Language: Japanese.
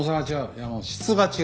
いやもう質が違う。